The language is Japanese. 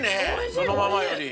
そのままより。